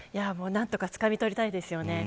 何とかつかみ取りたいですね。